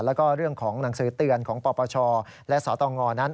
แล้วก็เรื่องของหนังสือเตือนของปปชและสตงนั้น